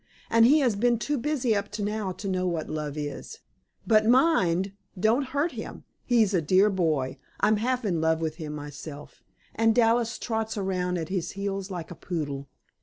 And he has been too busy, up to now, to know what love is. But mind, don't hurt him; he's a dear boy. I'm half in love with him myself, and Dallas trots around at his heels like a poodle."